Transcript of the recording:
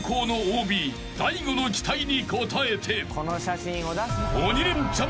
［の期待に応えて］